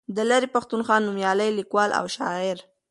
د لرې پښتونخوا نومیالی لیکوال او شاعر